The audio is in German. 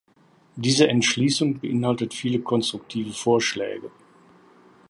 Diese Entschließung beinhaltet viele konstruktive Vorschläge.